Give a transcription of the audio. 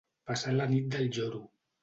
Passar la nit del lloro.